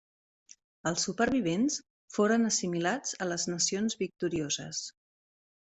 Els supervivents foren assimilats a les nacions victorioses.